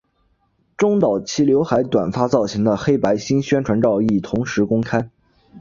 中岛齐浏海短发造型的黑白新宣传照亦同时公开。